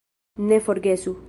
Ne forgesu!